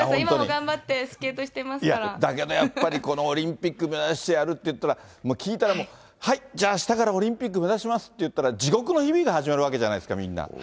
今も頑張ってスケートいや、だけどやっぱりこのオリンピック目指してやるっていったら、もう聞いたら、はい、じゃああしたからオリンピック目指しますって言ったら地獄の日々が始まるわけじゃないですか、みんな。